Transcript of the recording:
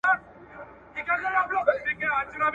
تر سالو لاندي ګامونه ..